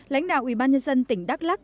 lãnh đạo ubnd tỉnh đắk lắc